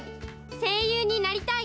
声優になりたい。